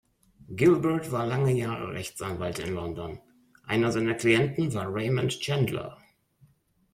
Gilbert war lange Jahre Rechtsanwalt in London, einer seiner Klienten war Raymond Chandler.